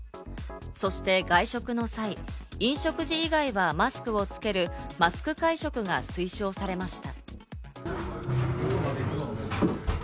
そして外食の際、飲食時以外はマスクをつけるマスク会食が推奨されました。